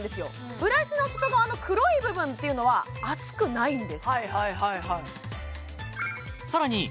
ブラシの外側の黒い部分っていうのは熱くないんです